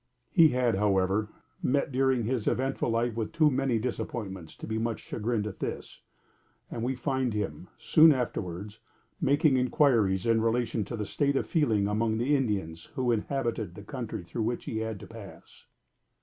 He had, however, met, during his eventful life, with too many disappointments to be much chagrined at this, and we find him, soon afterwards, making inquiries in relation to the state of feeling among the Indians who inhabited the country through which he had to pass.